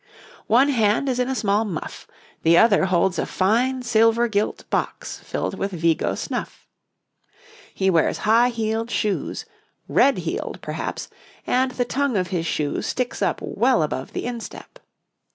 One hand is in a small muff, the other holds a fine silver gilt box filled with Vigo snuff. He wears high heeled shoes, red heeled, perhaps, and the tongue of his shoe sticks up well above the instep.